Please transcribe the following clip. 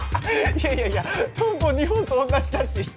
いやいやいやトンボ日本と同じだし。